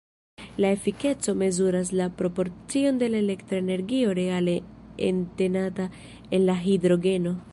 La efikeco mezuras la proporcion de la elektra energio reale entenata en la hidrogeno.